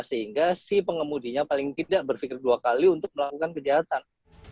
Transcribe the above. sehingga si pengemudinya paling tidak berpikir dua kali untuk melakukan kejahatan